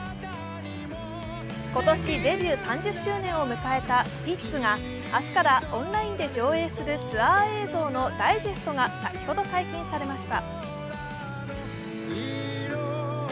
今年デビュー３０周年を迎えたスピッツが明日からオンラインで上映するツアー映像のダイジェストが先ほど解禁されました。